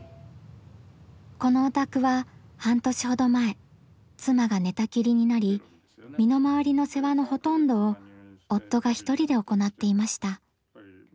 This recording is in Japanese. このお宅は半年ほど前妻が寝たきりになり身の回りの世話のほとんどを夫が１人で行っていました。